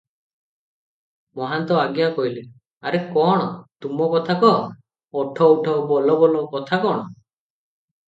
ମହନ୍ତ ଆଜ୍ଞା କଲେ- ଆରେ କଣ ତୁମ କଥା କହ, ଉଠ ଉଠ - ବୋଲ ବୋଲ କଥା କଣ?